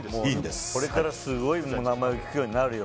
これからすごい名前を聞くようになるよ。